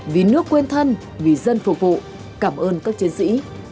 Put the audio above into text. vì nước quên thân vì dân phục vụ cảm ơn các chiến sĩ